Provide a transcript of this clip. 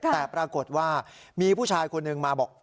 แต่ปรากฏว่ามีผู้ชายคนหนึ่งมาบอก